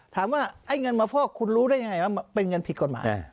ไอ้เงินมาฟอกคุณรู้ได้ยังไงว่าเป็นเงินผิดกฎหมาย